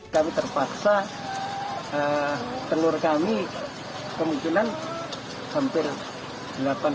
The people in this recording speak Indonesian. kami terpaksa telur kami kemungkinan sampai